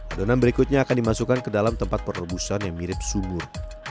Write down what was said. adonan berikutnya akan dimasukkan ke dalam tempat perebusan yang mirip sumur